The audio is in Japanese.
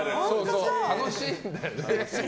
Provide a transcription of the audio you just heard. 楽しいんだよね。